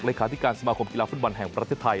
ที่การสมาคมกีฬาฟุตบอลแห่งประเทศไทย